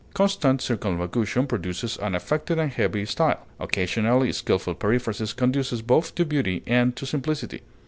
Constant circumlocution produces an affected and heavy style; occasionally, skilful periphrasis conduces both to beauty and to simplicity.